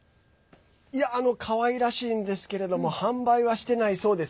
かわいらしいんですけれども販売はしてないそうです。